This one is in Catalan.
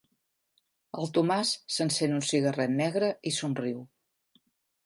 El Tomàs s'encén un cigarret negre i somriu.